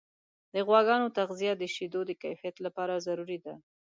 د غواګانو تغذیه د شیدو د کیفیت لپاره ضروري ده.